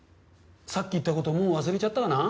さっき言ったこともう忘れちゃったかな。